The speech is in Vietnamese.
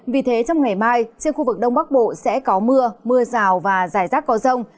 vì thế trong ngày mai trên khu vực đông bắc bộ sẽ có mưa mưa rào và rải rác có rông